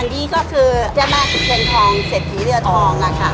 อันนี้ก็คือจะมาเป็นทองเสร็จที่เรือทองล่ะค่ะ